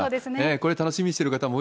これ、楽しみにしている方